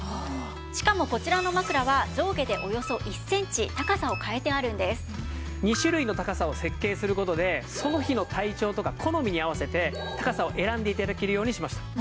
しかもこちらの枕は２種類の高さを設計する事でその日の体調とか好みに合わせて高さを選んで頂けるようにしました。